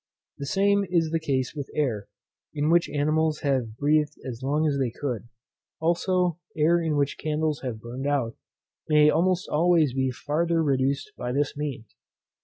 The same is the case with air, in which animals have breathed as long as they could. Also, air in which candles have burned out may almost always be farther reduced by this means.